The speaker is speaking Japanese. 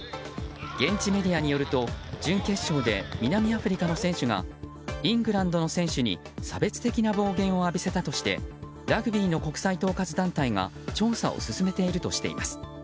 現地メディアによると準決勝で南アフリカの選手がイングランドの選手に差別的な暴言を浴びせたとしてラグビーの国際統括団体が調査を進めているとしています。